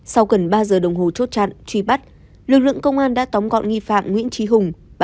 sau gần ba giờ đồng hồ chốt chặn truy bắt lực lượng công an đã tóm gọn nghi phạm nguyễn trí hùng